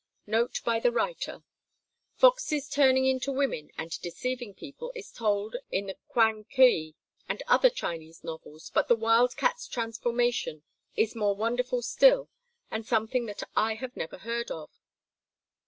Note by the writer. Foxes turning into women and deceiving people is told of in Kwang keui and other Chinese novels, but the wild cat's transformation is more wonderful still, and something that I have never heard of.